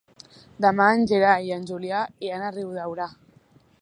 Demà en Gerai i en Julià iran a Riudaura.